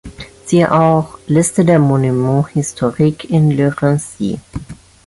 Siehe auch: Liste der Monuments historiques in Le Raincy